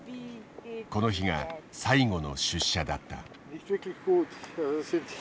この日が最後の出社だった。